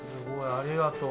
ありがとう。